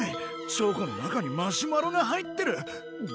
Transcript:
チョコの中にマシュマロが入ってる！